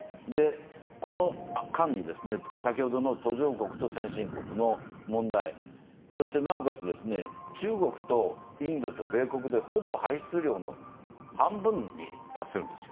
この間に、途上国と先進国の問題、そしてなおかつ、中国とインドと米国でほぼ排出量の半分に達するんですよ。